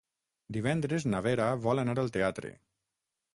Divendres na Vera vol anar al teatre.